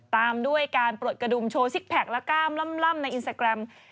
ตามด้วยการปลดกระดุมโชว์ซิกแพคและกล้ามล่ำในอินสตาแกรม